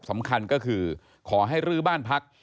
สำคัญก็คือขอให้รื้อบ้านพัก